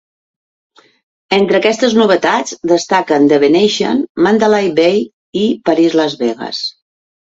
Entre aquestes novetats destaquen The Venetian, Mandalay Bay i Paris Las Vegas.